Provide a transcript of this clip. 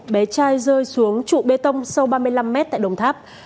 bé trai rơi xuống trụ bê tông sâu ba mươi năm mét tại đồng tháp